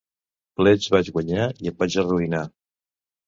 Plets vaig guanyar i em vaig arruïnar.